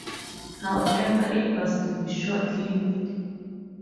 However, it was to be short-lived.